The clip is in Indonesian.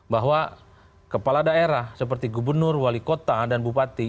bahwa kepala daerah seperti gubernur wali kota dan bupati